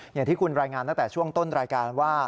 อย่างที่คุณรายงานตั้งแต่ช่วงต้นรายการว่า